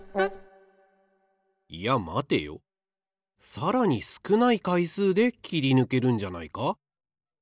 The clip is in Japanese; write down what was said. さらにすくないかいすうで切りぬけるんじゃないか？